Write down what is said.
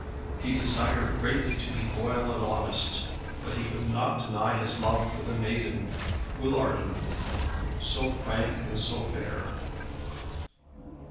He desired greatly to be loyal and honest, but he could not deny his love for the maiden Guillardun, so frank and so fair.